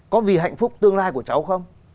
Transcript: có vì hạnh phúc tương lai của cháu không